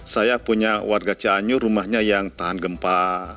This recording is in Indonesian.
saya punya warga cianyu rumahnya yang tahan gempa